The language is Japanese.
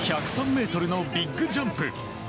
１０３ｍのビッグジャンプ。